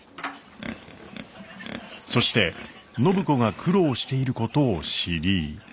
そして暢子が苦労していることを知り。